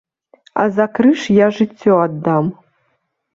А за крыж я жыццё аддам.